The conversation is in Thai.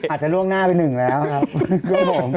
อาจจะล่วงหน้าไปหนึ่งแล้วครับผม